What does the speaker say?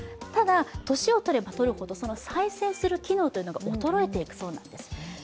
ただ、年をとればとるほどその再生する機能が衰えていくそうなんです。